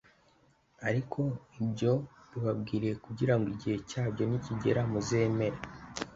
Ariko ibyo mbibabwiriye kugira ngo igihe cyabyo nikigera muzemere